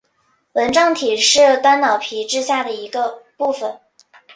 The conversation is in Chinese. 纹状体是端脑皮质下的一部份。